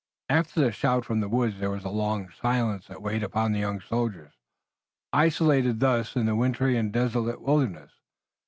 After the shout from the woods there was a long silence that weighed upon the young soldiers, isolated thus in the wintry and desolate wilderness.